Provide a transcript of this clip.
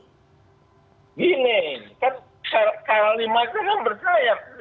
gini kan karantina itu kan berjaya